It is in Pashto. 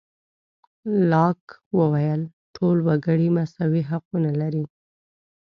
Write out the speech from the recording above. لاک وویل ټول وګړي مساوي حقونه لري.